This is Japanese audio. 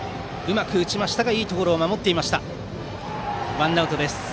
ワンアウトです。